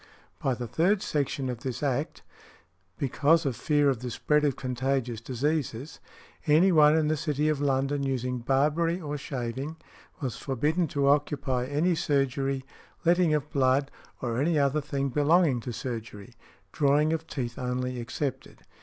By the third section of this Act , because of fear of the spread of contagious diseases, any one in the City of London using barbery or shaving, was forbidden to |161| occupy any surgery, letting of blood, or any other thing belonging to surgery, drawing of teeth only excepted.